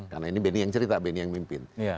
karena ini beni yang cerita beni yang mimpin